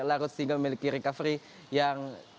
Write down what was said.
larut sehingga memiliki recovery yang